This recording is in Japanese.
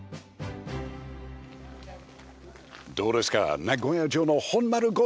どうですか？